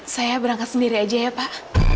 saya berangkat sendiri aja ya pak